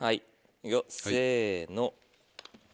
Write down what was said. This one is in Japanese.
いくよせの。